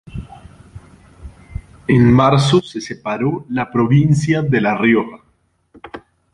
En marzo se separó la Provincia de La Rioja.